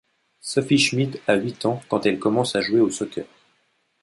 Sophie Schmidt a huit ans quand elle commence à jouer au Soccer.